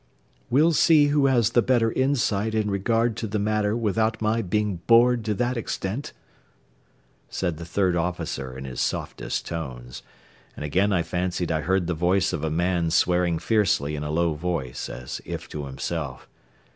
"We'll see who has the better insight in regard to the matter without my being bored to that extent," said the third officer in his softest tones, and again I fancied I heard the voice of a man swearing fiercely in a low voice as if to himself.